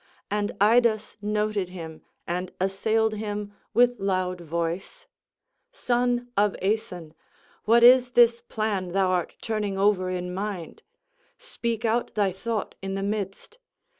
And Idas noted him and assailed him with loud voice: "Son of Aeson, what is this plan thou art turning over in mind. Speak out thy thought in the midst.